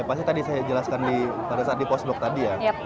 pasti tadi saya jelaskan pada saat di post blok tadi ya